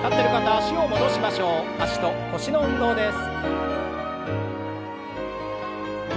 脚と腰の運動です。